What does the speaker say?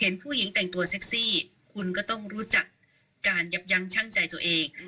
ผู้หญิงแต่งตัวเซ็กซี่คุณก็ต้องรู้จักการยับยั้งช่างใจตัวเอง